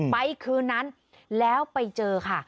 คืนนั้นแล้วไปเจอค่ะ